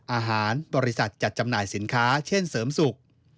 อาหารบริษัทจัดจำหน่ายสินค้าเช่นเสริมสุข